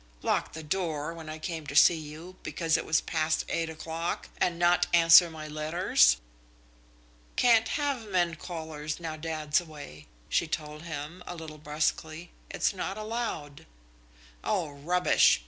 Lock the door when I came to see you, because it was past eight o'clock, and not answer my letters?" "Can't have men callers now dad's away," she told him, a little brusquely. "It's not allowed." "Oh, rubbish!"